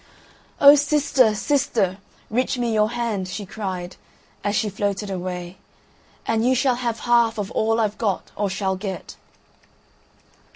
"O sister, sister, reach me your hand!" she cried, as she floated away, "and you shall have half of all I've got or shall get."